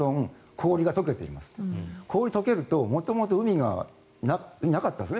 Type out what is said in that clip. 氷が解けると元々、海がなかったんです。